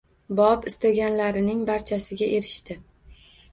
Bob istaganlarining barchasiga erishdi.